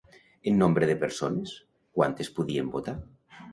En nombre de persones, quantes podien votar?